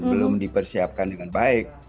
belum dipersiapkan dengan baik